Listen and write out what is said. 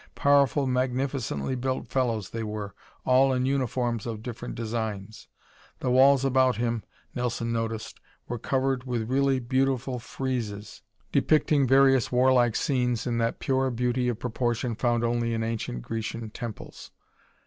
Powerful, magnificently built fellows they were, all in uniforms of different designs. The walls about him, Nelson noticed, were covered with really beautiful friezes depicting various warlike scenes in that pure beauty of proportion found only in ancient Grecian temples.